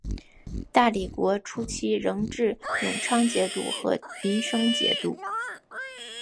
大理国初期仍置永昌节度和银生节度。